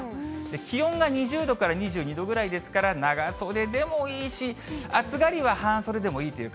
気温が２０度から２２度ぐらいですから、長袖でもいいし、人によってですね。